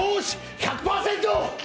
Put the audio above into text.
１００％！